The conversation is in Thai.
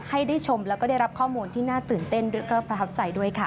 ให้ได้ชมและรับข้อมูลที่น่าตื่นเต้นและประทับใจด้วยค่ะ